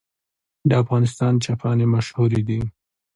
د افغانستان چپنې مشهورې دي